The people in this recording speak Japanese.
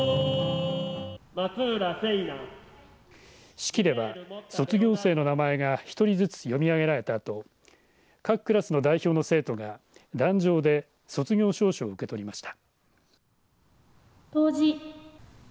式では卒業生の名前が１人ずつ読み上げられたあと各クラスの代表の生徒が壇上で卒業証書を受け取りました。